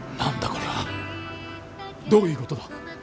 これは。どういう事だ？